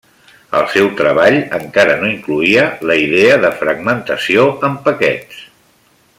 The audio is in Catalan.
El seu treball encara no incloïa la idea de fragmentació en paquets.